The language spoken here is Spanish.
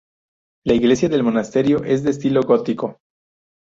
La iglesia del monasterio es de estilo gótico.